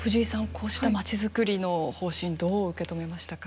こうしたまちづくりの方針どう受け止めましたか。